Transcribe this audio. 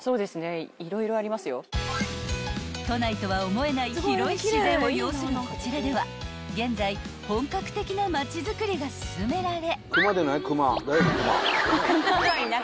［都内とは思えない広い自然を要するこちらでは現在本格的な街づくりが進められ］